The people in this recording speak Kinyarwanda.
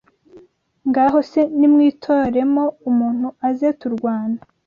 Ngaho se nimwitoremo umuntu aze turwane